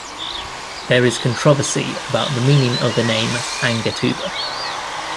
There is controversy about the meaning of the name "Angatuba".